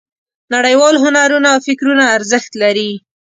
نړیوال هنرونه او فکرونه ارزښت لري.